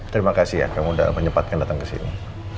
terima kasih ya kamu sudah menyempatkan datang ke sini